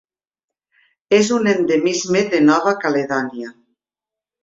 És un endemisme de Nova Caledònia.